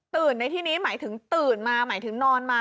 ในที่นี้หมายถึงตื่นมาหมายถึงนอนมา